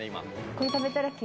これ食べたら９９。